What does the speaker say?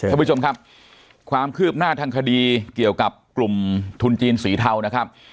กลุ่มคือความคืบหน้าทางคดีเกี่ยวกับกลุ่มทำจีนสีเทานะครับ